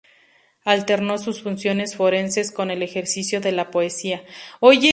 Alternó sus funciones forenses con el ejercicio de la poesía.